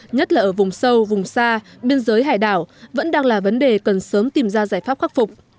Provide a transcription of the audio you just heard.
nhất là ở vùng sâu vùng xa biên giới hải đảo vẫn đang là vấn đề cần sớm tìm ra giải pháp khắc phục